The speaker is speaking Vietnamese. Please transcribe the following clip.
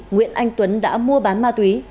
nguyễn anh tuấn đã mua bán ma túy